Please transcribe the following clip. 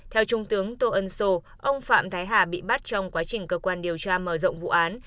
theo trung tướng tô ân sô ông phạm thái hà bị bắt trong quá trình cơ quan điều tra mở rộng vụ án